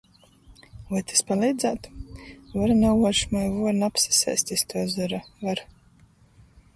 Voi tys paleidzātu? Var nauošmai vuorna apsasēst iz tuo zora, var.